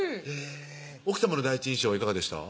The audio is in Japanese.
奥さまの第一印象いかがでした？